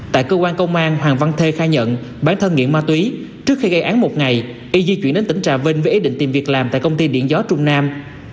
tại cơ quan công an hoàng văn thê khai nhận bản thân nghiện ma túy trước khi gây án một ngày y di chuyển đến tỉnh trà vinh với ý định tìm việc làm tại công ty điện gió trung nam